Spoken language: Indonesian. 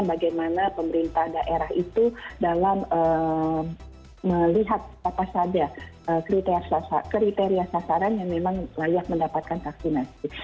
bagaimana pemerintah daerah itu dalam melihat apa saja kriteria sasaran yang memang layak mendapatkan vaksinasi